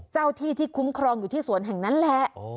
เจ้าที่ที่คุ้มครองอยู่ที่สวนแห่งนั้นแหละ